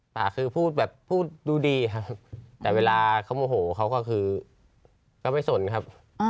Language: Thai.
ป่าคือพูดแบบพูดดูดีครับแต่เวลาเขาโมโหเขาก็คือก็ไม่สนครับ